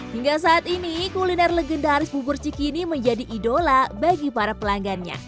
hingga saat ini kuliner legendaris bubur cikini menjadi idola bagi para pelanggannya